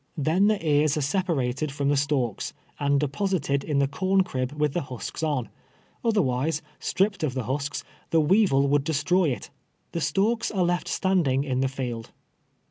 Then the ears are separated from the stalks, and deposited in the cornerib with the husks on; otlierwise, stripped of the husks, the weevil would destroy it. The stalks are left standing in the field.